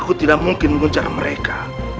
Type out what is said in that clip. aku tidak mungkin menguncar mereka